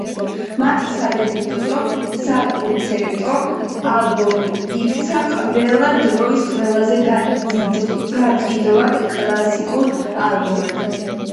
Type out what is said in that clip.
მათი სადებიუტო საკონცერტო ალბომი იქცა ყველა დროის ყველაზე გაყიდვად კლასიკურ ალბომად.